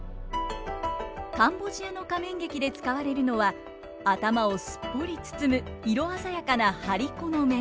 カンボジアの仮面劇で使われるのは頭をすっぽり包む色鮮やかな張り子の面。